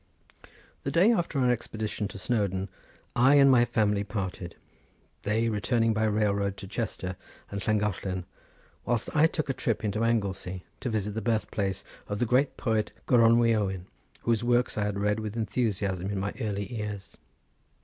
The day after our expedition to Snowdon I and my family parted; they returning by railroad to Chester and Llangollen whilst I took a trip into Anglesey to visit the birthplace of the great poet Goronwy Owen, whose works I had read with enthusiasm in my early years.